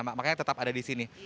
makanya tetap ada di sini